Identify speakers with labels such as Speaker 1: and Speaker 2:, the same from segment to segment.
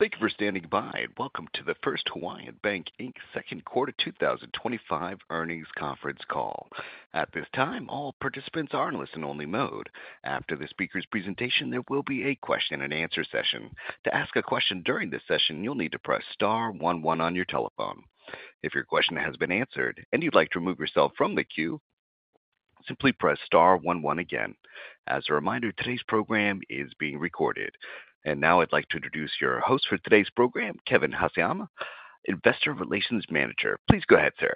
Speaker 1: Thank you for standing by and welcome to the First Hawaiian Bank, Inc. Second Quarter twenty twenty five Earnings Conference Call. At this time, all participants are in a listen only mode. After the speakers' presentation, there will be a question and answer session. As a reminder, today's program is being recorded. And now I'd like to introduce your host for today's program, Kevin Hassayama, Investor Relations Manager. Please go ahead, sir.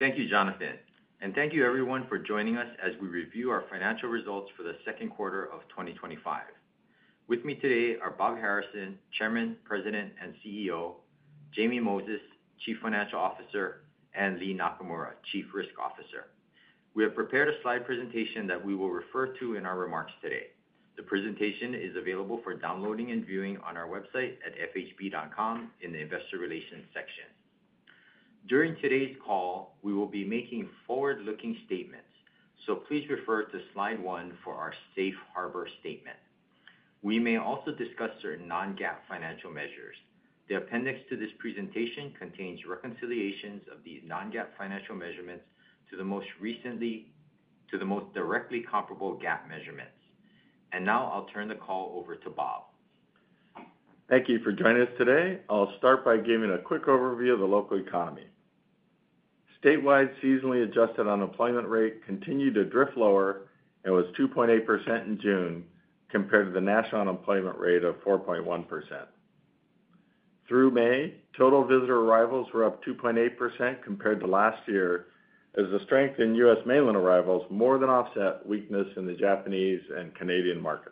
Speaker 2: Thank you, Jonathan. And thank you everyone for joining us as we review our financial results for the second quarter of twenty twenty five. With me today are Bob Harrison, Chairman, President and CEO Jamie Moses, Chief Financial Officer and Lee Nakamura, Chief Risk Officer. We have prepared a slide presentation that we will refer to in our remarks today. The presentation is available for downloading and viewing on our website at fhb.com in the Investor Relations section. During today's call, we will be making forward looking statements, so please refer to Slide one for our Safe Harbor statement. We may also discuss certain non GAAP financial measures. The appendix to this presentation contains reconciliations of these non GAAP financial measurements to directly the comparable GAAP measurements. And now I'll turn the call over to Bob.
Speaker 3: Thank you for joining us today. I'll start by giving a quick overview of the local economy. Statewide seasonally adjusted unemployment rate continued to drift lower and was 2.8% in June compared to the national unemployment rate of 4.1%. Through May, total visitor arrivals were up 2.8% compared to last year as the strength in U. S. Mainland arrivals more than offset weakness in the Japanese and Canadian markets.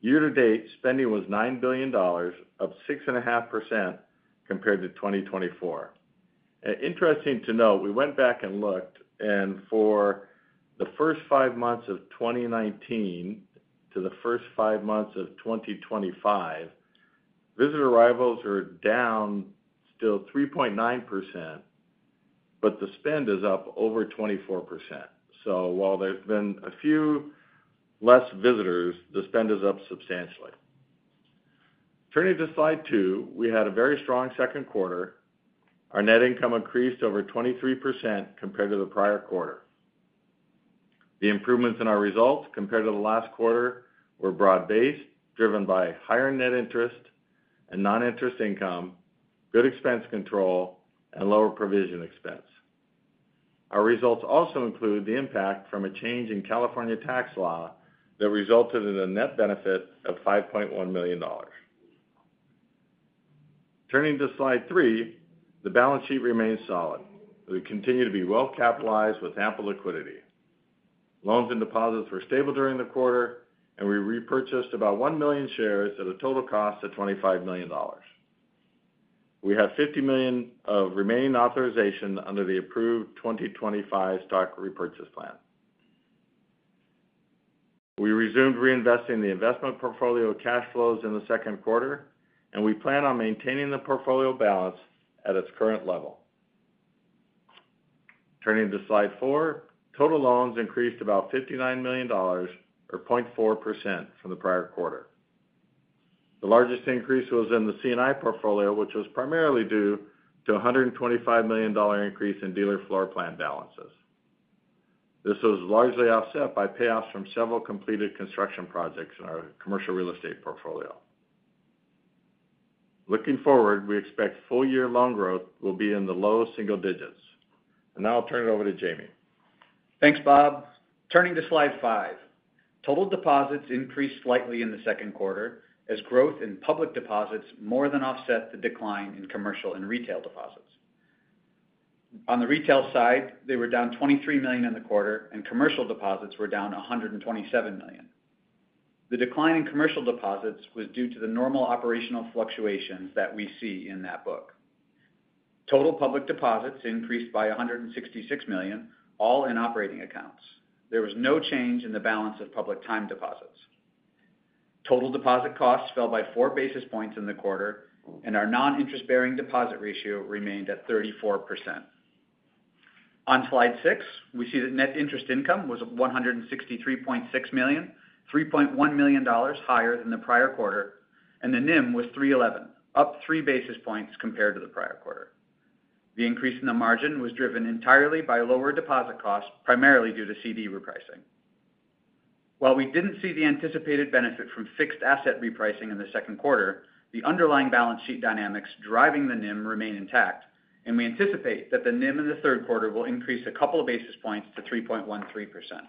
Speaker 3: Year to date spending was $9,000,000,000 up 6.5 compared to 2024. Interesting to note, we went back and looked and for the first five months of twenty nineteen to the first five months of twenty twenty five, visitor arrivals are down still 3.9%, but the spend is up over 24%. So while there's been a few less visitors, the spend is up substantially. Turning to slide two, we had a very strong second quarter. Our net income increased over 23% compared to the prior quarter. The improvements in our results compared to the last quarter were broad based, driven by higher net interest and noninterest income, good expense control and lower provision expense. Our results also include the impact from a change in California tax law that resulted in a net benefit of $5,100,000 Turning to slide three, the balance sheet remains solid. We continue to be well capitalized with ample liquidity. Loans and deposits were stable during the quarter and we repurchased about 1,000,000 shares at a total cost of $25,000,000 We have $50,000,000 of remaining authorization under the approved 2025 stock repurchase plan. We resumed reinvesting the investment portfolio cash flows in the second quarter, and we plan on maintaining the portfolio balance at its current level. Turning to slide four. Total loans increased about $59,000,000 or 0.4% from the prior quarter. The largest increase was in the C and I portfolio, which was primarily due to $125,000,000 increase in dealer floorplan balances. This was largely offset by payoffs from several completed construction projects in our commercial real estate portfolio. Looking forward, we expect full year loan growth will be in the low single digits. And now I'll turn it over to Jamie.
Speaker 4: Thanks, Bob. Turning to slide five. Total deposits increased slightly in the second quarter as growth in public deposits more than offset the decline in commercial and retail deposits. On the retail side, they were down $23,000,000 in the quarter, and commercial deposits were down 127,000,000 The decline in commercial deposits was due to the normal operational fluctuations that we see in that book. Total public deposits increased by $166,000,000 all in operating accounts. There was no change in the balance of public time deposits. Total deposit costs fell by four basis points in the quarter and our non interest bearing deposit ratio remained at 34%. On Slide six, we see that net interest income was $163,600,000 $3,100,000 higher than the prior quarter and the NIM was 3.11%, up three basis points compared to the prior quarter. The increase in the margin was driven entirely by lower deposit costs, primarily due to CD repricing. While we didn't see the anticipated benefit from fixed asset repricing in the second quarter, the underlying balance sheet dynamics driving the NIM remain intact, and we anticipate that the NIM in the third quarter will increase a couple of basis points to 3.13%.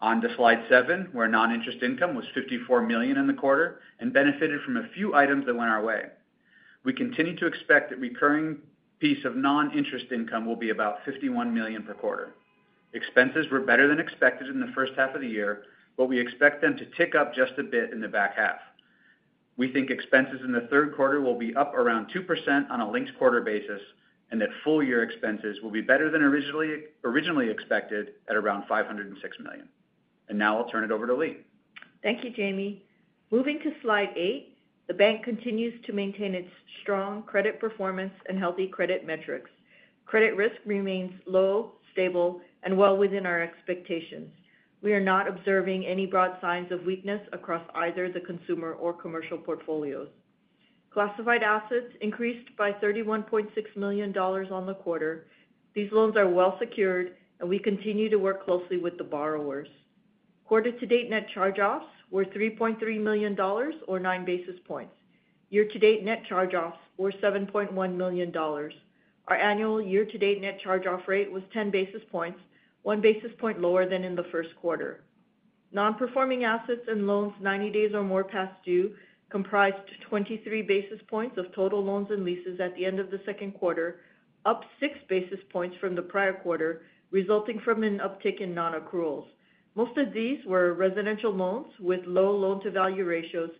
Speaker 4: On to Slide seven, where noninterest income was $54,000,000 in the quarter and benefited from a few items that went our way. We continue to expect that recurring piece of noninterest income will be about $51,000,000 per quarter. Expenses were better than expected in the first half of the year, but we expect them to tick up just a bit in the back half. We think expenses in the third quarter will be up around 2% on a linked quarter basis and that full year expenses will be better than originally expected at around $5.00 $6,000,000 And now I'll turn it over to Leigh.
Speaker 5: Thank you, Jamie. Moving to slide eight, the bank continues to maintain its strong credit performance and healthy credit metrics. Credit risk remains low, stable and well within our expectations. We are not observing any broad signs of weakness across either the consumer or commercial portfolios. Classified assets increased by $31,600,000 on the quarter. These loans are well secured and we continue to work closely with the borrowers. Quarter to date net charge offs were $3,300,000 or nine basis points. Year to date net charge offs were $7,100,000 Our annual year to date net charge off rate was 10 basis points, one basis point lower than in the first quarter. Non performing assets and loans ninety days or more past due comprised 23 basis points of total loans and leases at the end of the second quarter, up six basis points from the prior quarter, resulting from an uptick in non accruals. Most of these were residential loans with low loan to value ratios,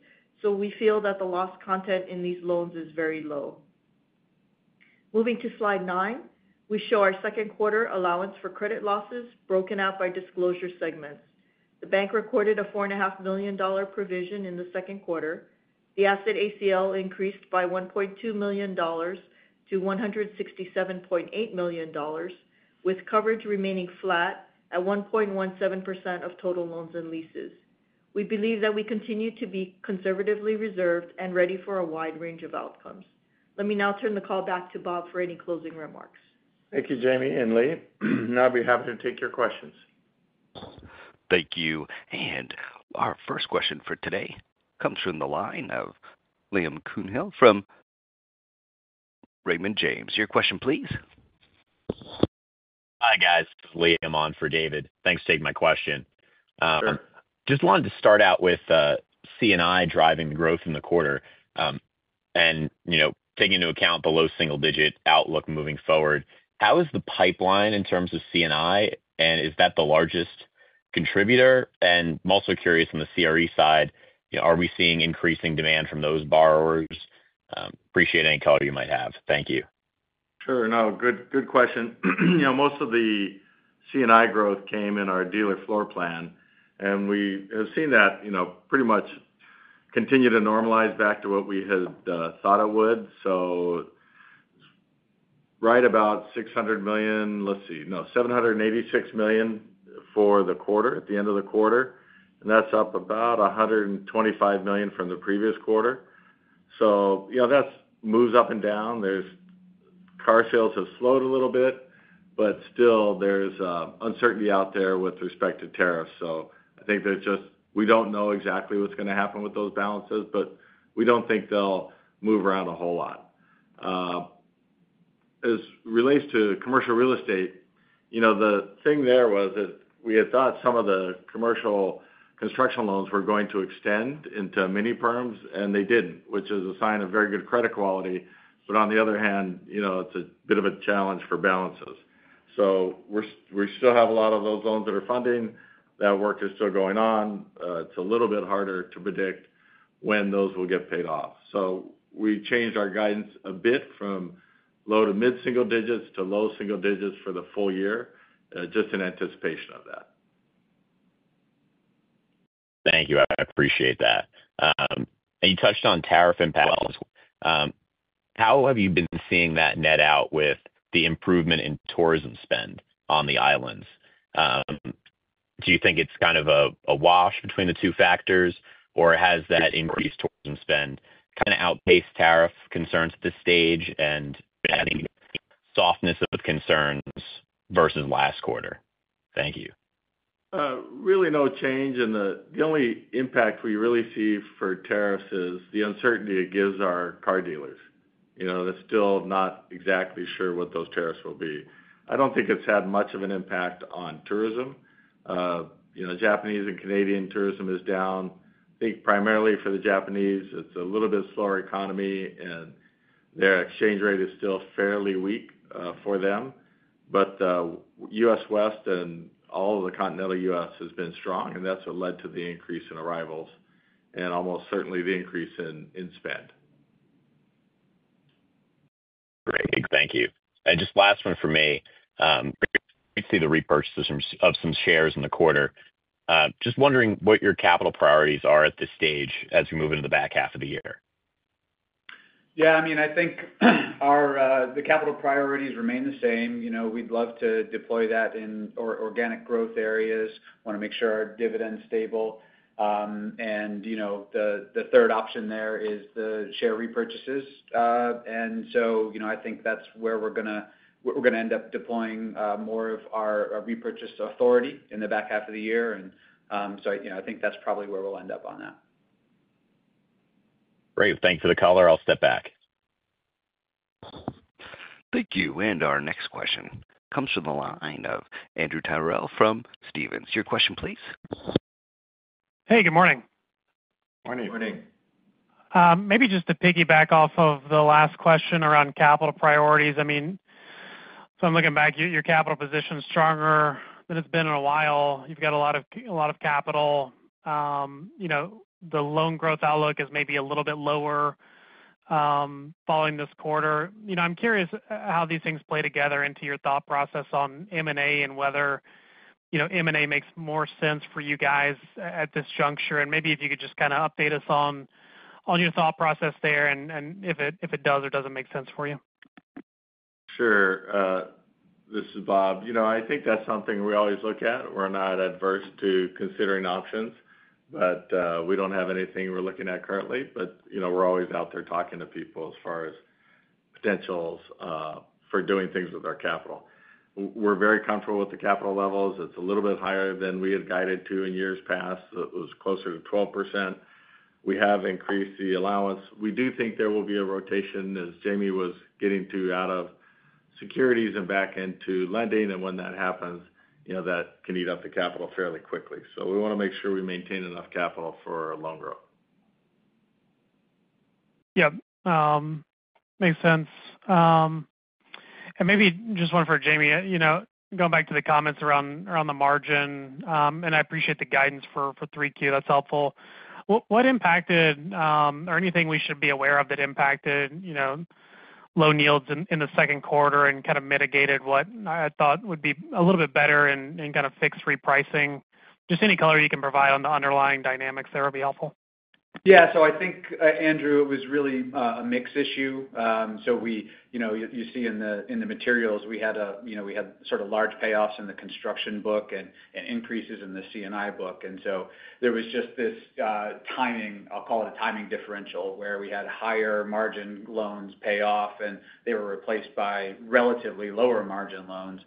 Speaker 5: so we feel that the loss content in these loans is very low. Moving to slide nine, we show our second quarter allowance for credit losses broken out by disclosure segments. The bank recorded a $4,500,000 provision in the second quarter. The asset ACL increased by $1,200,000 to $167,800,000 with coverage remaining flat at 1.17% of total loans and leases. We believe that we continue to be conservatively reserved and ready for a wide range of outcomes. Let me now turn the call back to Bob for any closing remarks.
Speaker 3: Thank you, Jamie and Lee. And I'll be happy to take your questions.
Speaker 1: Thank you. And our first question for today comes from the line of Liam Coonhill from Raymond James. Your question please.
Speaker 6: Hi guys, Liam on for David. Thanks for taking my question. Just wanted to start out with C and I driving growth in the quarter and taking into account the low single digit outlook moving forward. How is the pipeline in terms of C and I? And is that the largest contributor? And I'm also curious on the CRE side, are we seeing increasing demand from those borrowers? Appreciate any color you might have. Thank you.
Speaker 3: Sure. Good question. Most of the C and I growth came in our dealer floor plan and we have seen that pretty much continue to normalize back to what we had thought it would. Right about $600,000,000 let's see, $786,000,000 for the quarter at the end of the quarter. And that's up about $125,000,000 from the previous quarter. So that moves up and down. Car sales have slowed a little bit, but still there's uncertainty out there with respect to tariffs. So I think they're just, we don't know exactly what's going to happen with those balances, but we don't think they'll move around a whole lot. As relates to commercial real estate, the thing there was that we had thought some of the commercial construction loans were going to extend into mini perms and they didn't, which is a sign of very good credit quality. But on the other hand, it's a bit of a challenge for balances. So we still have a lot of those loans that are funding, that work is still going on. It's a little bit harder to predict when those will get paid off. So we changed our guidance a bit from low to mid single digits to low single digits for the full year, just in anticipation of that.
Speaker 6: Thank you. I appreciate that. And you touched on tariff impacts. Have you been seeing that net out with the improvement in tourism spend on the islands? Do you think it's kind of a wash between the two factors or has that increased tourism spend kind of outpaced tariff concerns at this stage and adding softness of concerns versus last quarter? Thank you.
Speaker 3: Really no change in the the only impact we really see for tariffs is the uncertainty it gives our car dealers. That's still not exactly sure what those tariffs will be. I don't think it's had much of an impact on tourism. Japanese and Canadian tourism is down. I think primarily for the Japanese, it's a little bit slower economy and their exchange rate is still fairly weak for them. But US West and all of the Continental US has been strong and that's what led to the increase in arrivals and almost certainly the increase in spend.
Speaker 6: Great. Thank you. And just last one for me. See the repurchases of some shares in the quarter. Just wondering what your capital priorities are at this stage as we move into the back half of the year?
Speaker 4: Yeah, I mean, think our the capital priorities remain the same. We'd love to deploy that in organic growth areas. Wanna make sure our dividend is stable. And the third option there is the share repurchases. And so, I think that's where we're gonna end up deploying more of our repurchase authority in the back half of the year. And so, think that's probably where we'll end up on that.
Speaker 6: Great. Thanks for the color. I'll step back.
Speaker 1: Thank you. And our next question comes from the line of Andrew Tyrrell from Stephens. Your question please.
Speaker 7: Hey, good morning.
Speaker 3: Good morning. Good morning.
Speaker 7: Maybe just to piggyback off of the last question around capital priorities. I mean, so I'm looking back, your capital position is stronger than it's been in a while. You've got a lot of capital. The loan growth outlook is maybe a little bit lower following this quarter. I'm curious how these things play together into your thought process on M and A and whether M and A makes more sense for you guys at this juncture. And maybe if you could just kind of update us your thought process there and if it does or doesn't make sense for you?
Speaker 3: Sure. This is Bob. I think that's something we always look at. We're not adverse to considering options, but we don't have anything we're looking at currently, but we're always out there talking to people as far as potentials for doing things with our capital. We're very comfortable with the capital levels. It's a little bit higher than we had guided to in years past. It was closer to 12%. We have increased the allowance. We do think there will be a rotation as Jamie was getting to out of securities and back into lending. And when that happens, that can eat up the capital fairly quickly. So we want to make sure we maintain enough capital for loan growth.
Speaker 7: Yes, makes sense. And maybe just one for Jamie, going back to the comments around the margin, and I appreciate the guidance for 3Q, that's helpful. What impacted, or anything we should be aware of that impacted loan yields in the second quarter and kind of mitigated what I thought would be a little bit better in kind of fixed repricing? Just any color you can provide on the underlying dynamics there would be helpful.
Speaker 4: Yes. So I think, Andrew, it was really a mix issue. So we you see in the materials, had sort of large payoffs in the construction book and increases in the C and I book. And so there was just this timing, I'll call it a timing differential, where we had higher margin loans pay off and they were replaced by relatively lower margin loans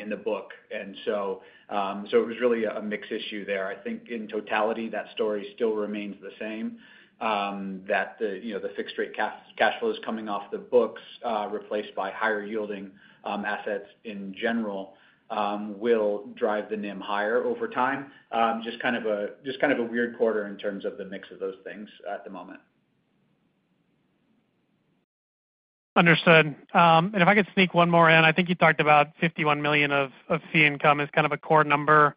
Speaker 4: in the book. And it was really a mix issue there. I think in totality, that story still remains the same that the fixed rate cash flows coming off the books replaced by higher yielding assets in general will drive the NIM higher over time. Just of a weird quarter in terms of the mix of those things at the moment.
Speaker 7: Understood. And if I could sneak one more in, I think you talked about 51,000,000 of fee income is kind of a core number.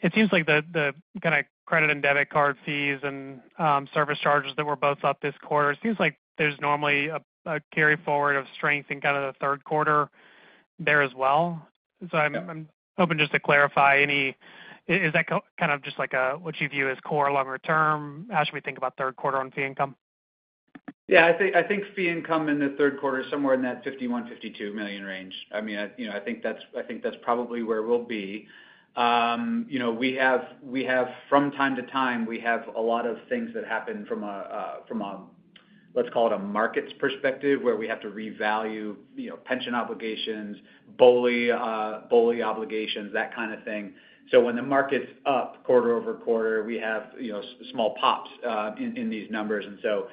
Speaker 7: It seems like the kind of credit and debit card fees and service charges that were both up this quarter, it seems like there's normally a carry forward of strength in kind of the third quarter there as well. So I'm hoping just to clarify any is that kind of just like what you view as core longer term? How should we think about third quarter on fee income?
Speaker 4: Yes. I think fee income in the third quarter is somewhere in that $51,000,000 $52,000,000 range. I mean, I think that's probably where we'll be. Have from time to time, we have a lot of things that happen from a, let's call it a markets perspective, where we have to revalue pension obligations, BOLI obligations, that kind of thing. So when the market's up quarter over quarter, we have small pops in these numbers. And so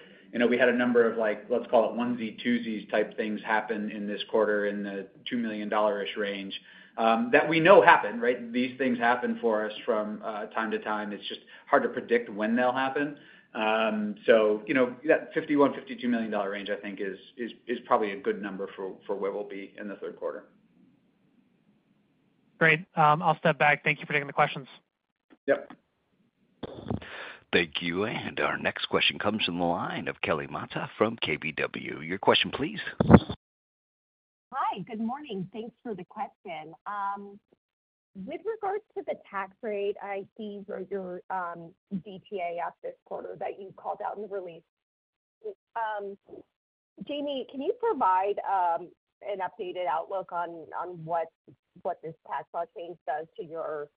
Speaker 4: we had a number of like, let's call it, onesie twosies type things happen in this quarter in the $2,000,000 ish range that we know happen, right? These things happen for us from time to time. It's just hard to predict when they'll happen. So, that $103,000,000 range, I think is probably a good number for where we'll be in the third quarter.
Speaker 7: Great. I'll step back. Thank you for taking the questions.
Speaker 3: Yep.
Speaker 1: Thank you. And our next question comes from the line of Kelly Mata from KBW. Your question, please.
Speaker 8: Hi. Good morning. Thanks for the question. With regards to the tax rate, I see your DTA asked this quarter that you called out in the release. Jamie, can you provide, an updated outlook on on what what this tax law change does to your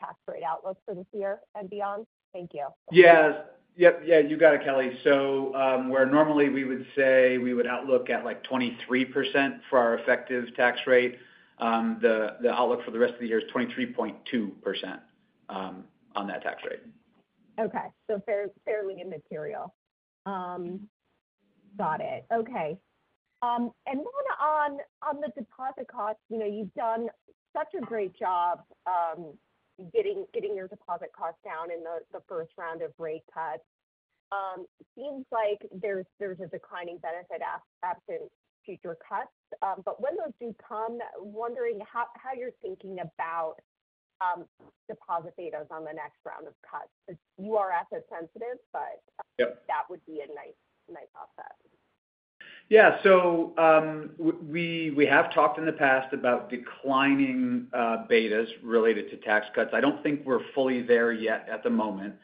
Speaker 8: tax rate outlook for this year and beyond? Thank you.
Speaker 4: Yes. Yep. Yeah. You got it, Kelly. So, where normally we would say we would outlook at, like, 23% for our effective tax rate. The the outlook for the rest of the year is 23.2%, on that tax rate.
Speaker 8: Okay. So fairly immaterial. Got it. Okay. And then on the deposit cost, you've done such a great job getting your deposit costs down in the first round of rate cuts. It seems like there's a declining benefit after future cuts, but when those do come, wondering how you're thinking about deposit betas on the next round of cuts. You are asset sensitive, but that would be a nice offset.
Speaker 4: Yeah, so we have talked in the past about declining betas related to tax cuts. I don't think we're fully there yet at the moment.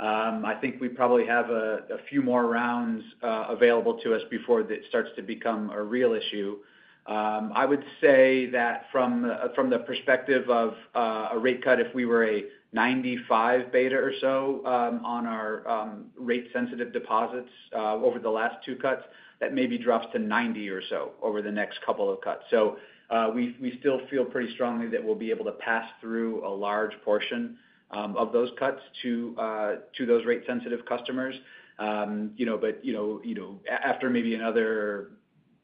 Speaker 4: I think we probably have a few more rounds available to us before that starts to become a real issue. I would say that from the perspective of a rate cut, if we were a 95 beta or so on our rate sensitive deposits over the last two cuts, that maybe drops to 90 or so over the next couple of cuts. So, we we still feel pretty strongly that we'll be able to pass through a large portion, of those cuts to, to those rate sensitive customers. You know, but, you know, you know, after maybe another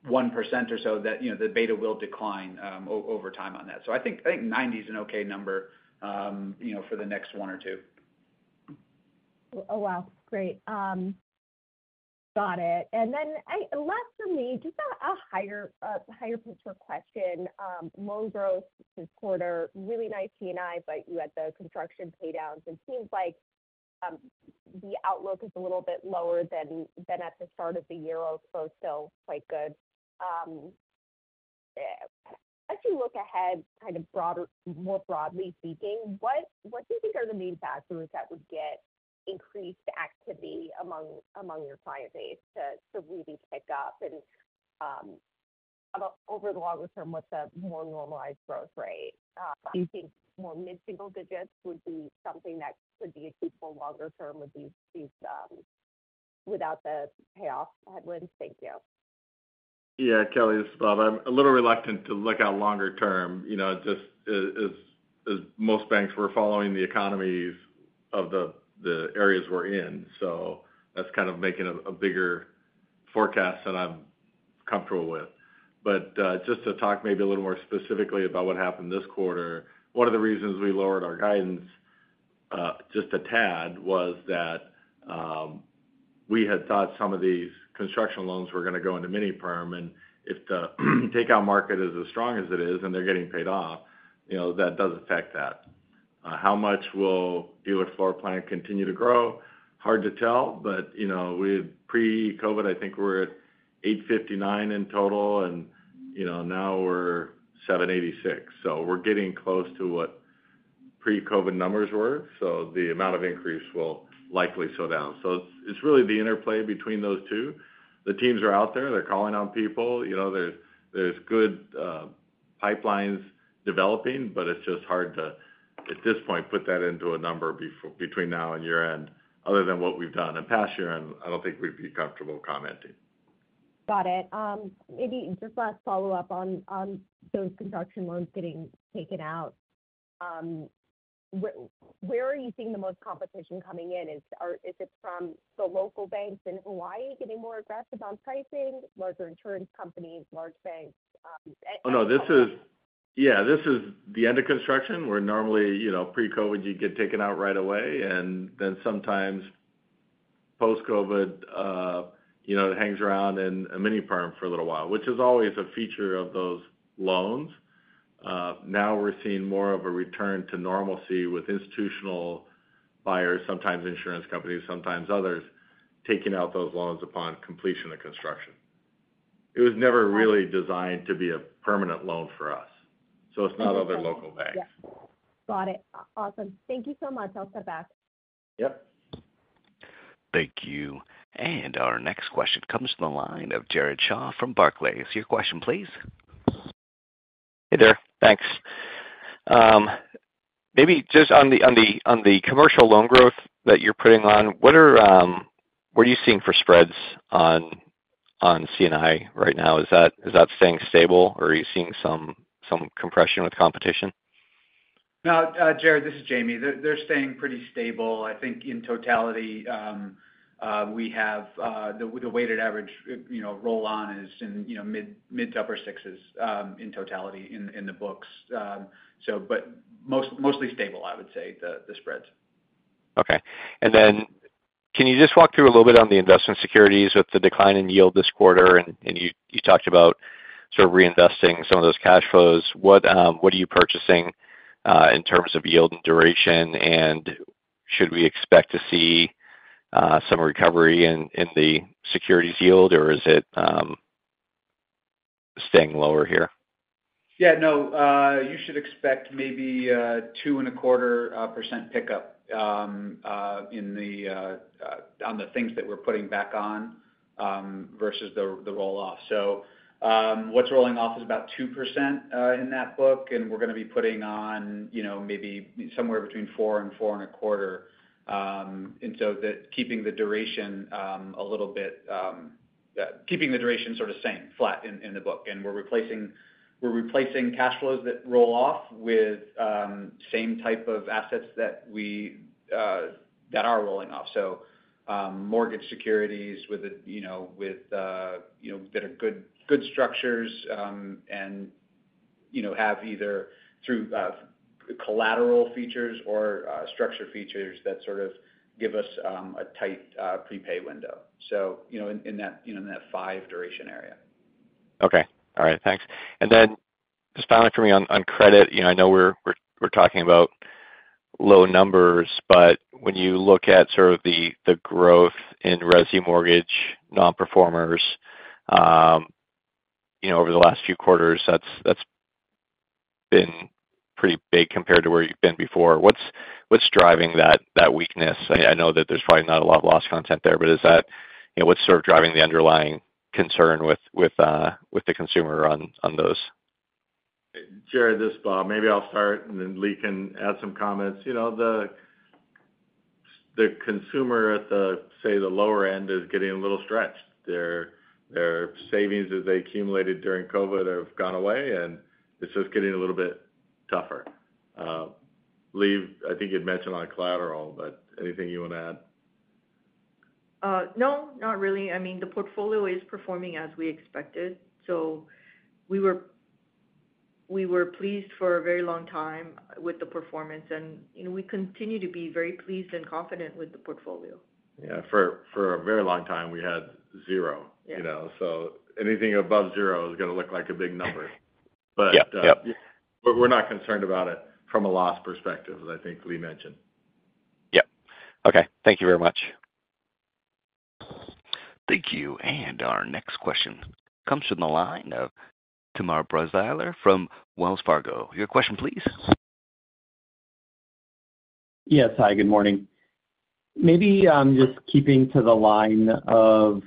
Speaker 4: 1% or so that, you know, the beta will decline over time on that. So I think I think 90 is an okay number, you know, for the next one or two.
Speaker 8: Oh, wow. Great. Got it. And then last for me, just a higher picture question. Loan growth this quarter, really nice T and I, but you had the construction pay downs. It seems like the outlook is a little bit lower than at the start of the year, although still quite good. As you look ahead kind of broader more broadly speaking, what do you think are the main factors that would get increased activity among your client base to really pick up? And over the longer term, what's that more normalized growth rate? Do you think more mid single digits would be something that could be a useful longer term with these without the payoff headwinds? Thank you.
Speaker 3: Yeah, Kelly, it's Bob. I'm a little reluctant to look at longer term. Just most banks were following the economies of the areas we're in. So that's kind of making a bigger forecast that I'm comfortable with. But just to talk maybe a little more specifically about what happened this quarter. One of the reasons we lowered our guidance just a tad was that we had thought some of these construction loans were going to go into mini perm and if the takeout market is as strong as it is and they're getting paid off, you know, does affect that. How much will dealer floorplan continue to grow? Hard to tell, but, you know, with pre COVID, I think we're at eight fifty nine in total and, you know, now we're seven eighty six. So we're getting close to what pre COVID numbers were. So the amount of increase will likely slow down. So it's really the interplay between those two. The teams are out there, they're calling on people, there's good pipelines developing, but it's just hard to at this point put that into a number between now and year end. Other than what we've done in past year end, I don't think we'd be comfortable commenting.
Speaker 8: Got it. Maybe just last follow-up on those construction loans getting taken out. Where are you seeing the most competition coming in? Is it from the local banks in Hawaii getting more aggressive on pricing, larger insurance companies, large banks?
Speaker 3: Oh, no. Yeah, this is the end of construction where normally, pre COVID you get taken out right away and then sometimes post COVID, it hangs around in a mini firm for a little while, which is always a feature of those loans. Now we're seeing more of a return to normalcy with institutional buyers, sometimes insurance companies, sometimes others taking out those loans upon completion of construction. It was never really designed to be a permanent loan for us. So it's not other local banks.
Speaker 8: It. Awesome. Thank you so much. I'll step back.
Speaker 3: Yep.
Speaker 1: Thank you. And our next question comes from the line of Jared Shaw from Barclays. Your question, please.
Speaker 9: Hey there, thanks. Maybe just on the commercial loan growth that you're putting on, what are you seeing for spreads on C and I right now? Is that staying stable? Or are you seeing some compression with competition?
Speaker 4: Jared, this is Jamie. They're staying pretty stable. I think in totality, we have the weighted average roll on is in mid to upper sixes in totality in the books. So but mostly stable, would say, the spreads.
Speaker 9: Okay. And then can you just walk through a little bit on the investment securities with the decline in yield this quarter and you talked about reinvesting some of those cash flows. What are you purchasing in terms of yield and duration? And should we expect to see some recovery in the securities yield? Or is it staying lower here?
Speaker 4: Yeah. No. You should expect maybe two and a quarter percent pickup in the on the things that we're putting back on versus the the roll off. So what's rolling off is about 2% in that book and we're going to be putting on maybe somewhere between four and four and a quarter. And so that keeping the duration a little bit keeping the duration sort of same flat in in the book. And we're replacing we're replacing cash flows that roll off with same type of assets that we that are rolling off. So mortgage securities with, you know, with, you know, that are good good structures, and, you know, have either through collateral features or, structure features that sort of give us a tight prepay window. So, in that five duration area.
Speaker 9: Okay. Alright. Thanks. And then, just finally for me on credit. I know we're talking about low numbers, but when you look at sort of the growth in resi mortgage non performers over the last few quarters, that's been pretty big compared to where you've been before. What's driving that weakness? I know that there's probably not a lot of lost content there, but is that what's sort of driving the underlying concern with the consumer on those?
Speaker 3: Jared, this is Bob. Maybe I'll start and then Lee can add some comments. The consumer at the, say the lower end is getting a little stretched. Savings as they accumulated during COVID have gone away and it's just getting a little bit tougher. Lee, I think you'd mentioned on collateral, but anything you wanna add?
Speaker 5: No, not really. I mean, the portfolio is performing as we expected. So we were pleased for a very long time with the performance and we continue to be very pleased and confident with the portfolio.
Speaker 3: Yeah, for a very long time we had zero. So anything above zero is gonna look like a big number. But we're not concerned about it from a loss perspective as I think Lee mentioned.
Speaker 9: Yep. Okay. Thank you very much.
Speaker 1: Thank you. And our next question comes from the line of Tamar Brahzylar from Wells Fargo. Your question please.
Speaker 10: Yes. Hi, good morning. Maybe just keeping to the line of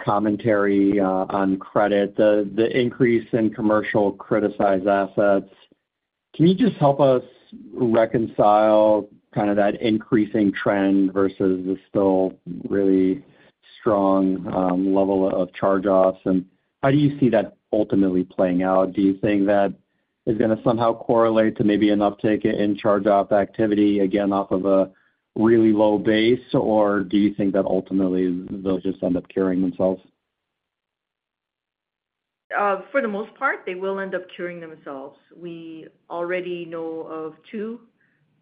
Speaker 10: commentary on credit, the increase in commercial criticized assets. Can you just help us reconcile kind of that increasing trend versus the still really strong level of charge offs? And how do you see that ultimately playing out? Do you think that is gonna somehow correlate to maybe an uptake in charge off activity again off of a really low base? Or do you think that ultimately they'll just end up curing themselves?
Speaker 5: For the most part, they will end up curing themselves. We already know of two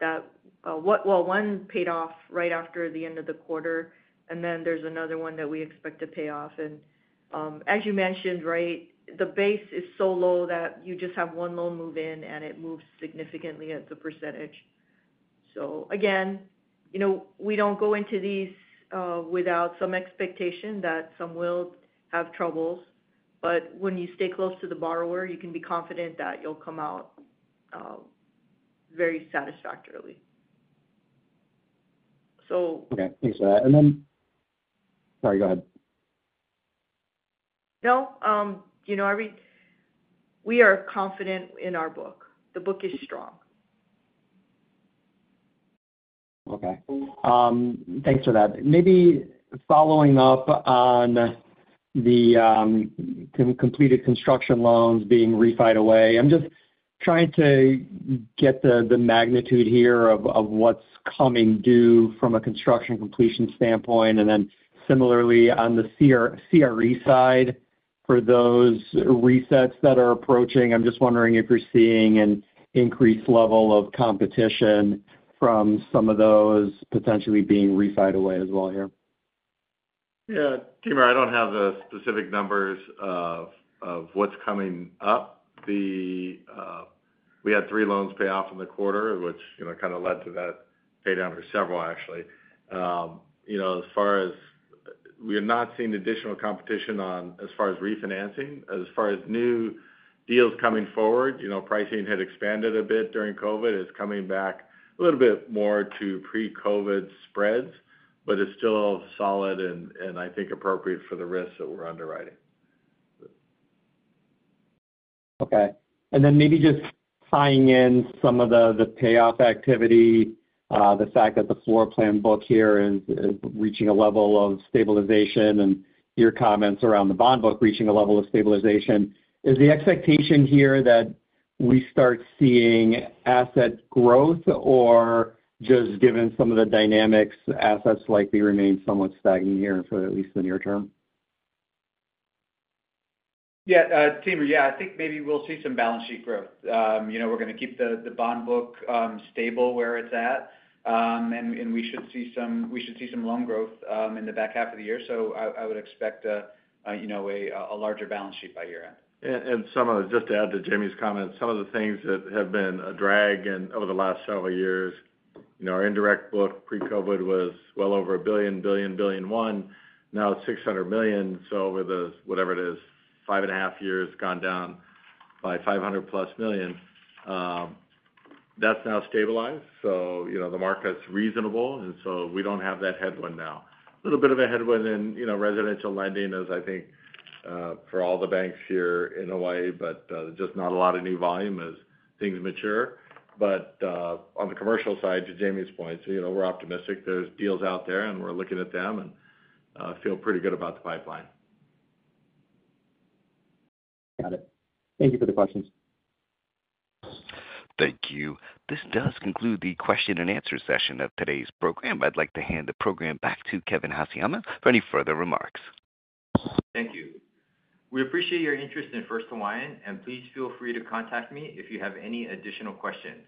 Speaker 5: that well, one paid off right after the end of the quarter. And then there's another one that we expect to pay off. And as you mentioned, right, the base is so low that you just have one loan move in and it moves significantly as a percentage. So again, we don't go into these without some expectation that some will have troubles. But when you stay close to the borrower, you can be confident that you'll come out very satisfactorily.
Speaker 10: Okay, thanks for that. And then, sorry, go ahead.
Speaker 5: No. We are confident in our book. The book is strong.
Speaker 10: Okay. Thanks for that. Maybe following up on the completed construction loans being refied away. I'm just trying to get the magnitude here of what's coming due from a construction completion standpoint. Then similarly on the CRE side for those resets that are approaching, I'm just wondering if you're seeing an increased level of competition from some of those potentially being resided away as well here.
Speaker 3: Yeah, Timur, I don't have the specific numbers of what's coming up. We had three loans pay off in the quarter, kind of led to that pay down for several actually. We are not seeing additional competition on as far as refinancing, as far as new deals coming forward, pricing had expanded a bit during COVID. It's coming back a little bit more to pre COVID spreads, but it's still solid and I think appropriate for the risks that we're underwriting.
Speaker 10: Okay, and then maybe just tying in some of the payoff activity, the fact that the floor plan book here is reaching a level of stabilization and your comments around the bond book reaching a level of stabilization. Is the expectation here that we start seeing asset growth or just given some of the dynamics, assets likely remain somewhat stagnant here for at least the near term?
Speaker 4: Timur, yeah. I think maybe we'll see some balance sheet growth. We're going to keep the bond book stable where it's at. And we should some loan growth in the back half of the year. So I would expect a larger balance sheet by year end.
Speaker 3: And some of it, just to add to Jamie's comments, some of the things that have been a drag over the last several years, our indirect book pre COVID was well over a billion, billion, billion and 1, now it's 600,000,000. So with whatever it is, five and a half years gone down by 500 plus million. That's now stabilized. So the market's reasonable and so we don't have that headwind now. A little bit of a headwind in residential lending as I think for all the banks here in Hawaii, but just not a lot of new volume as things mature. But on the commercial side to Jamie's point, you know, we're optimistic there's deals out there and we're looking at them and feel pretty good about the pipeline.
Speaker 10: Got it. Thank you for the questions.
Speaker 1: Thank you. This does conclude the question and answer session of today's program. I'd like to hand the program back to Kevin Hassayama for any further remarks.
Speaker 2: Thank you. We appreciate your interest in First Hawaiian, and please feel free to contact me if you have any additional questions.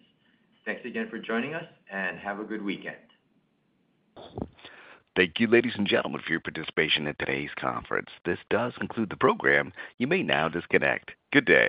Speaker 2: Thanks again for joining us, and have a good weekend.
Speaker 1: Thank you, ladies and gentlemen, for your participation in today's conference. This does conclude the program. You may now disconnect. Good day.